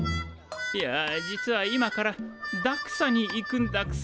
いや実は今からＤＡＸＡに行くんだくさ。